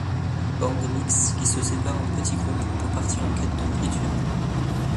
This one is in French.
Bandes mixtes qui se séparent en petits groupes pour partir en quête de nourriture.